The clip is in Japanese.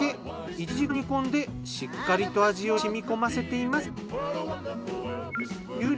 １時間煮込んでしっかりと味を染み込ませています。